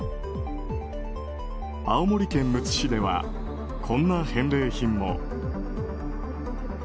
青森県むつ市ではこんな返礼品も。